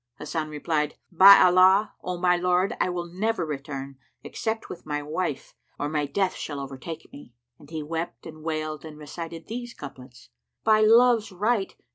Hasan replied, "By Allah, O my lord, I will never return except with my wife, or my death shall overtake me." And he wept and wailed and recited these couplets, "By Love's right!